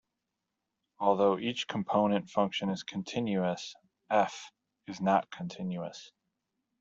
Although each component function is continuous, "f" is not continuous.